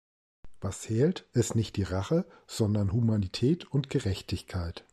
Was zählt, ist nicht die Rache, sondern Humanität und Gerechtigkeit.